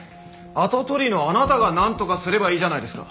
跡取りのあなたがなんとかすればいいじゃないですか。